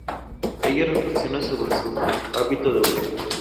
Ella reflexiona sobre su hábito de huir.